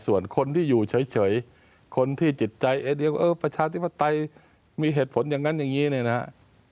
ส่วนคนที่อยู่เฉยคนที่จิตใจเอเดียวเออประชาธิปไตยมีเหตุผลอย่างนั้นอย่างนี้เนี่ยนะฮะ